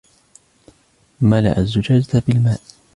ملأ الزجاجة بالماء.